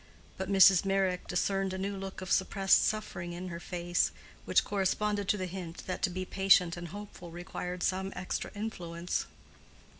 But Mrs. Meyrick discerned a new look of suppressed suffering in her face, which corresponded to the hint that to be patient and hopeful required some extra influence.